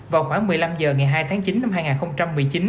vào khoảng một mươi năm h ngày hai tháng chín năm hai nghìn một mươi chín